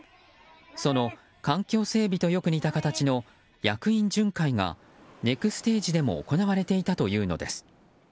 その環境整備とよく似た形の役員巡回がネクステージでも行われていたというのです。